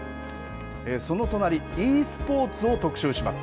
その隣、ｅスポーツを特集します。